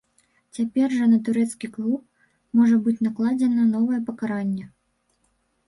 Цяпер жа на турэцкі клуб можа быць накладзенае новае пакаранне.